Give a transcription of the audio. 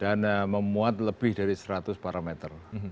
dan memuat lebih dari seratus parameter